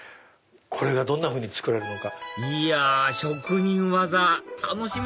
これがどんなふうに作られるか。